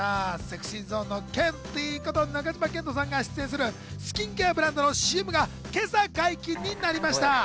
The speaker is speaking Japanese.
ＳｅｘｙＺｏｎｅのケンティーこと、中島健人さんが出演するスキンケアブランドのＣＭが今朝、解禁になりました。